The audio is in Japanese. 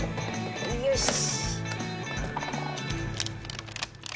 よし。